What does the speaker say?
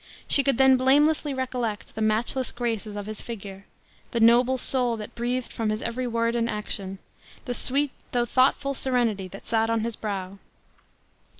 she could then blamelessly recollect the matchless graces of his figure! the noble soul that breathed from his every word and action; the sweet, though thoughtful, serenity that sat on his brow!